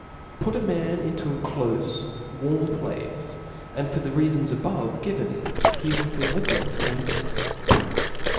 Put a man into a clofe warm place, and for the reafons a* bove given, he will feel a great faintnefs.